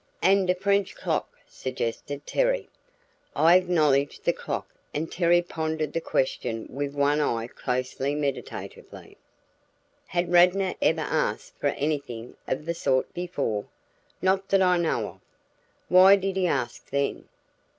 "And a French clock," suggested Terry. I acknowledged the clock and Terry pondered the question with one eye closed meditatively. "Had Radnor ever asked for anything of the sort before?" "Not that I know of." "Why did he ask then?"